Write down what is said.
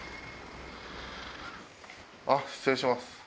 あっ失礼します。